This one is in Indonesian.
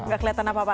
gak kelihatan apa apa